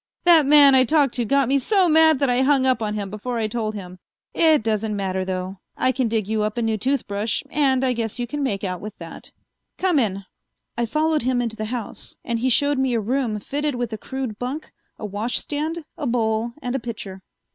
"That man I talked to got me so mad that I hung up on him before I told him. It doesn't matter, though. I can dig you up a new toothbrush, and I guess you can make out with that. Come in." I followed him into the house, and he showed me a room fitted with a crude bunk, a washstand, a bowl and a pitcher.